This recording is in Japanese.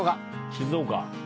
静岡。